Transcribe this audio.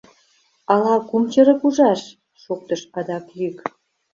— Ала кум чырык ужаш! — шоктыш адак йӱк.